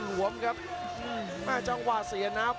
หัวจิตหัวใจแก่เกินร้อยครับ